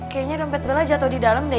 kayanya dompet bella jatuh di dalam deh